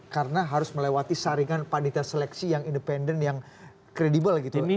karena harus melewati saringan panitia seleksi yang independen yang kredibel gitu